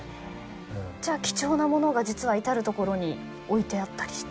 じゃあ貴重な物が実は至る所に置いてあったりして。